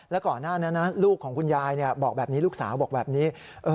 แล้วก่อนหน้านั้นลูกของคุณยายบอกแบบนี้ลูกสาวบอกแบบนี้